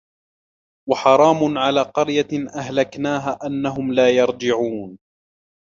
وَحَرَامٌ عَلَى قَرْيَةٍ أَهْلَكْنَاهَا أَنَّهُمْ لَا يَرْجِعُونَ